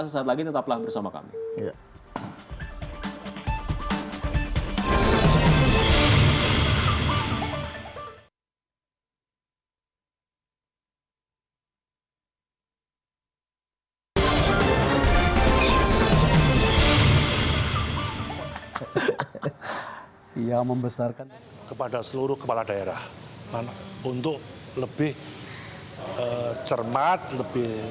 sesaat lagi tetaplah bersama kami